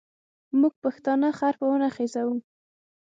موږ پښتانه خر په ونه خېزوو.